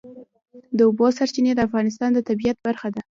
د اوبو سرچینې د افغانستان د طبیعت برخه ده.